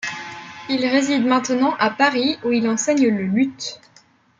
Il réside maintenant à Paris, où il enseigne le luth.